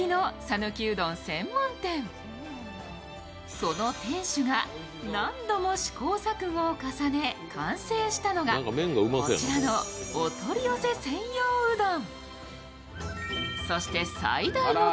その店主が何度も試行錯誤を重ね完成したのがこちらのお取り寄せ専用うどん。